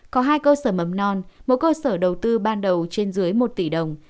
có hai cơ sở mầm non một cơ sở đầu tư ban đầu trên dưới một tỷ đồng